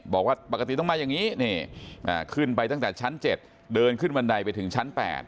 บอกว่าปกติต้องมาอย่างนี้ขึ้นไปตั้งแต่ชั้น๗เดินขึ้นบันไดไปถึงชั้น๘